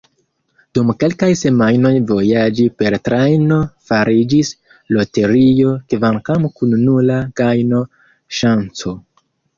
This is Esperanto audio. Dum kelkaj semajnoj vojaĝi per trajno fariĝis loterio – kvankam kun nula gajno-ŝanco.